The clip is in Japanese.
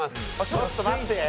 ちょっと待って！